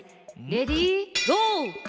レディーゴー！